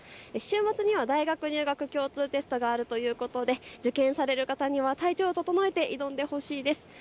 週末には大学入学共通テストがあるということで受験される方には体調を整えて挑んでほしいです。